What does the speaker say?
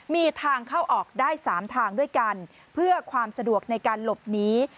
มีทางเข้าออกได้๓ทางด้วยกันเพื่อความสะดวกในการหลบหนี